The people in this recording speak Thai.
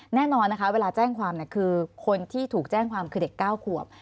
แน่นอนนะคะเวลาแจ้งความคือคนที่ถูกแจ้งความคือเด็ก๙ขวบ